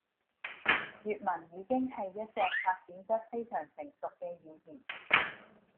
粵文已經係一隻發展得非常成熟嘅語言